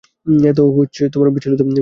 এত বিচলিত হওয়ার কী আছে!